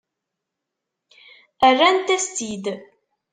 Rrant-as-tt-id.